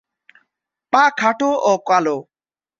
পা খাটো ও কালো।